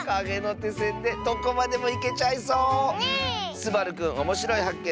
すばるくんおもしろいはっけん